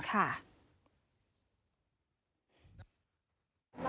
ค่ะ